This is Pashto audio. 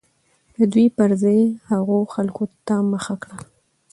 د دوى پر ځاى هغو خلكو ته مخه كړه